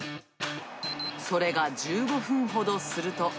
それが１５分ほどすると。